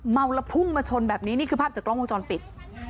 เมาแล้วพุ่งมาชนแบบนี้นี่คือภาพจากกล้องวงจรปิด